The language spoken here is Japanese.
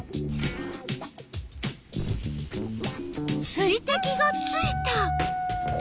水てきがついた！